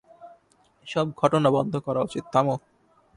এসব ঘটনা বন্ধ করা উচিত, থামো।